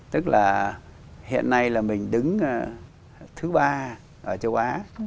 tức là hiện nay là mình đứng thứ ba ở châu á